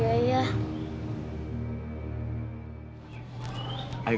sudah susah bagi aku